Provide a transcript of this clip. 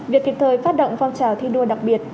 việc kịp thời phát động phong trào thi đua đặc biệt